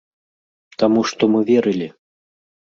Таму што мы верылі!